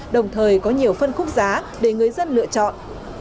đồng thời có nhiều phân khúc giá để người dân lựa chọn